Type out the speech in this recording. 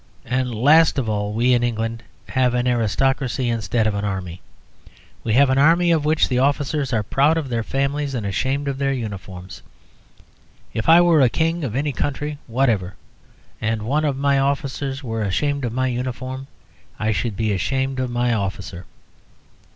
And last of all we in England have an aristocracy instead of an Army. We have an Army of which the officers are proud of their families and ashamed of their uniforms. If I were a king of any country whatever, and one of my officers were ashamed of my uniform, I should be ashamed of my officer.